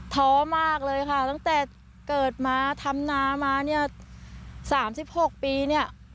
ท้อมากเลยค่ะตั้งแต่เกิดมาทำนามาเนี่ย๓๖ปีเนี่ย